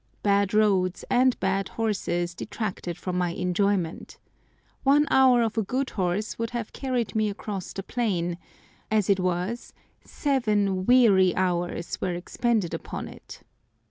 Bad roads and bad horses detracted from my enjoyment. One hour of a good horse would have carried me across the plain; as it was, seven weary hours were expended upon it.